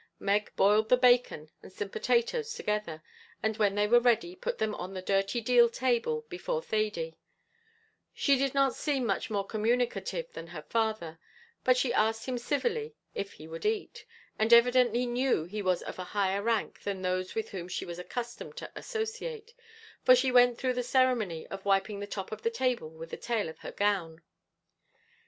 Meg boiled the bacon and some potatoes together, and when they were ready, put them on the dirty deal table before Thady; she did not seem much more communicative than her father, but she asked him civilly if he would eat, and evidently knew he was of a higher rank than those with whom she was accustomed to associate, for she went through the ceremony of wiping the top of the table with the tail of her gown.